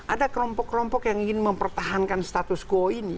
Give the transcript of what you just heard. ada kelompok kelompok yang ingin mempertahankan status quo ini